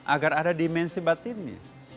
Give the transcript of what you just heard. agar ada dimensi batinnya